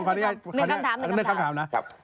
อ่าให้อันด้วยคำอันด้วยคำถามนะ